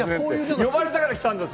呼ばれたから来たんですよ。